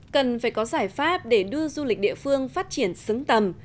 cần phải có giải pháp để đưa du lịch địa phương phát triển xứng tầm